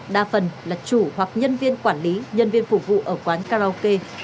đa phần là chủ hoặc nhân viên quản lý nhân viên phục vụ ở quán karaoke